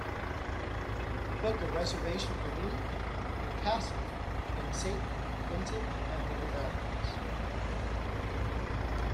Book a reservation for me and cassie in Saint Vincent and the Grenadines